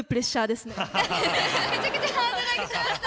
めちゃくちゃハードル上げてました。